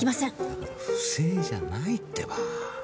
だから不正じゃないってばぁ。